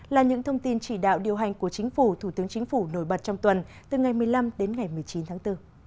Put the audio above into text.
là những thông tin chỉ đạo điều hành của chính phủ thủ tướng chính phủ nổi bật trong tuần từ ngày một mươi năm đến ngày một mươi chín tháng bốn